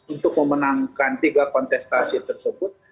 untuk memenangkan tiga kontestasi tersebut